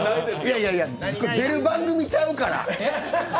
出る番組ちゃうから。